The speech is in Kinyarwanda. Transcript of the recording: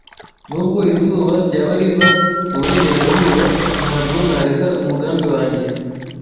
Nubwo izuba ryaba riva mu burengerazuba, ntabwo nareka umugambi wanjye.